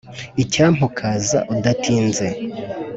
icyampa ukaza udatinze!